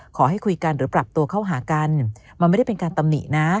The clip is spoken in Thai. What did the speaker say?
ขอให้คุยกันหรือปรับตัวเข้าหากันมันไม่ได้เป็นการตำหนินะ